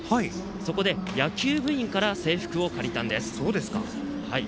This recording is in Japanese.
そこで野球部員から制服を借りたんです。